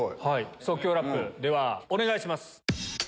即興ラップお願いします。